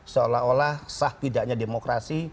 seolah olah sah tidaknya demokrasi